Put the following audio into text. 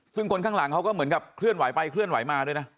ซึ่งคนข้างหลังเขาก็เหมือนกับเคลื่อนไหวไปเคลื่อนไหวมาด้วยนะ